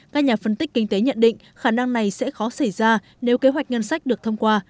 các nhà phân tích kinh tế nhận định khả năng này sẽ khó xảy ra nếu kế hoạch ngân sách được thông qua